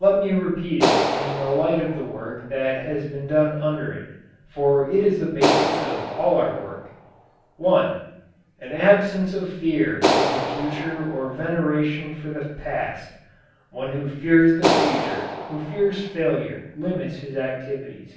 Let me repeat it in the light of the work that has been done under it for it is at the basis of all our work: (1) An absence of fear of the future or of veneration for the past. One who fears the future, who fears failure, limits his activities.